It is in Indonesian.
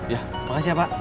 ya makasih ya pak